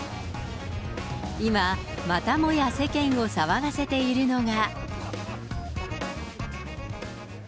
今、またもや世間を騒がせているのが。